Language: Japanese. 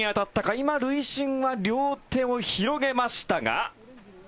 今、塁審は両手を広げましたが。